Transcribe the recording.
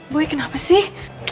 boy kenapa sih